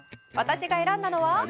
「私が選んだのは」